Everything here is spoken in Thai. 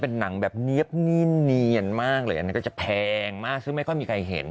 เป็นหนังแบบเนี๊ยบเนียนมากเลยอันนั้นก็จะแพงมากซึ่งไม่ค่อยมีใครเห็น